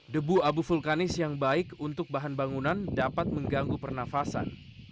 debu abu vulkanis yang baik untuk bahan bangunan dapat mengganggu pernafasan